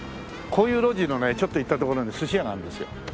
こういう路地のねちょっと行ったところに寿司屋があるんですよ。